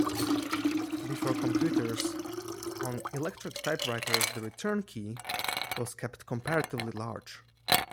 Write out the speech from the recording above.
Before computers, on electric typewriters the "Return" key was kept comparatively large.